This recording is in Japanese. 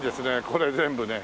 これ全部ね。